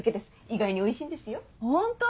意外においしいんですよ。本当？